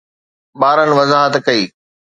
ٻارن وضاحت ڪئي